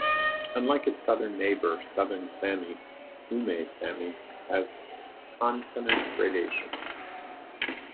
Unlike its southern neighbor Southern Sami, Ume Sami has consonant gradation.